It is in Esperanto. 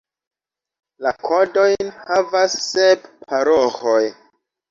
La kodojn havas sep paroĥoj.